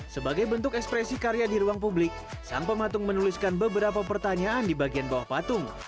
sebagai bentuk ekspresi karya di ruang publik sang pematung menuliskan beberapa pertanyaan di bagian bawah patung